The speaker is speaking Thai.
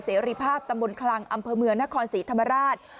เสรีภาพตคลังอเมืองนศรีธรรมราช